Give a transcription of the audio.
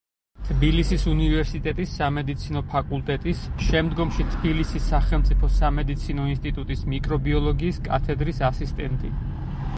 თბილისის უნივერსიტეტის სამედიცინო ფაკულტეტის, შემდგომში თბილისის სახელმწიფო სამედიცინო ინსტიტუტის მიკრობიოლოგიის კათედრის ასისტენტი.